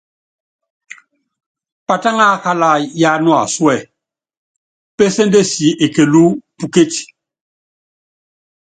Patáŋa ákála yáá nuasúɛ, péséndesi ekelú pukécí.